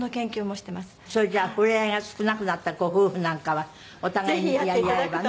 それじゃあ触れ合いが少なくなったご夫婦なんかはお互いにやり合えばね。